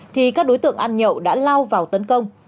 thì các đối tượng ăn nhậu đã lao vào tấn công